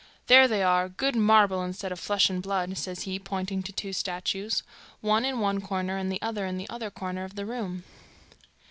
There they are, good marble instead of flesh and blood,' says he, pointing to two statues, one in one corner, and the other in the other corner of the room.